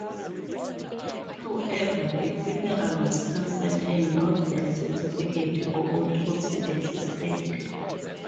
However the funeral was canceled and no death certificate or autopsy existed.